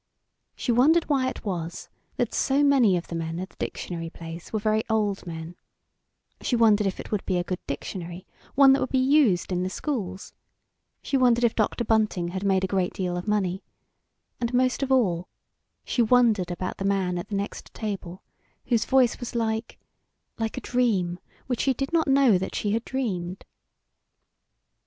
She wondered why it was that so many of the men at the dictionary place were very old men; she wondered if it would be a good dictionary one that would be used in the schools; she wondered if Dr. Bunting had made a great deal of money, and most of all she wondered about the man at the next table whose voice was like like a dream which she did not know that she had dreamed.